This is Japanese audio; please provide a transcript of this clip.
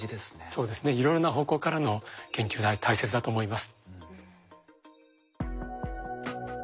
そうですねいろいろな方向からの研究は大切だと思います。